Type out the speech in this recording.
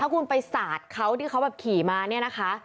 คุณไปสาดเขาที่เขาแบบขี่มาเนี่ยนะคะ